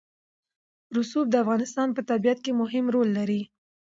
رسوب د افغانستان په طبیعت کې مهم رول لري.